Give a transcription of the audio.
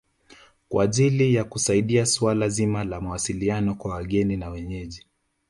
Kwa ajili ya kusaidia suala zima la mawasiliano kwa wageni na wenyeji